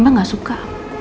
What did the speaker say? mbak nggak suka